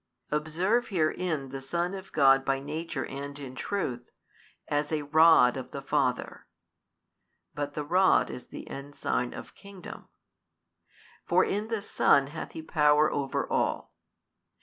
Observe herein 15 the Son of God by Nature and in truth, as a Rod of the Father (but the Rod is the ensign of Kingdom), for in the Son hath He power over all.